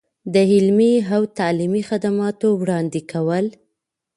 د علمي او تعلیمي خدماتو وړاندې کول.